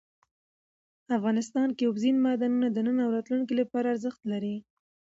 افغانستان کې اوبزین معدنونه د نن او راتلونکي لپاره ارزښت لري.